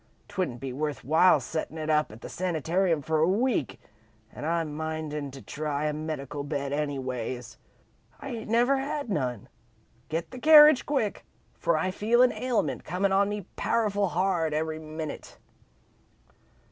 'Twouldn't be worth while settin' it up at the sanitarium for a week, an' I'm minded to try a medical bed, anyways. I ain't never had none. Get the carriage, quick, for I feel an ailment comin' on me powerful hard every minute."